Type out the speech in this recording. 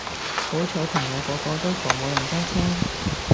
好彩朋友個個都窮冇人揸車